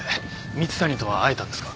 蜜谷とは会えたんですか？